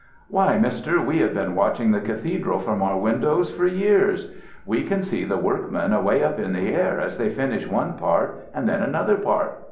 "Why, Mister, we have been watching the cathedral from our windows for years. We can see the workmen away up in the air as they finish one part and then another part.